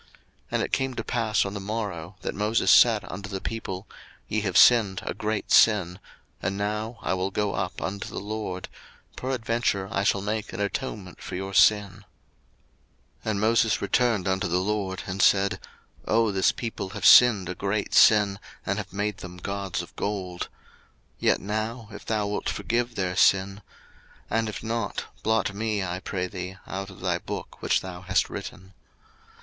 02:032:030 And it came to pass on the morrow, that Moses said unto the people, Ye have sinned a great sin: and now I will go up unto the LORD; peradventure I shall make an atonement for your sin. 02:032:031 And Moses returned unto the LORD, and said, Oh, this people have sinned a great sin, and have made them gods of gold. 02:032:032 Yet now, if thou wilt forgive their sin ; and if not, blot me, I pray thee, out of thy book which thou hast written.